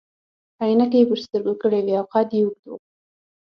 عینکې يې پر سترګو کړي وي او قد يې اوږد وو.